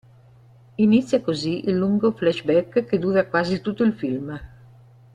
Inizia così il lungo "flashback" che dura quasi tutto il film.